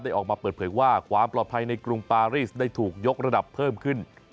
ออกมาเปิดเผยว่าความปลอดภัยในกรุงปารีสได้ถูกยกระดับเพิ่มขึ้น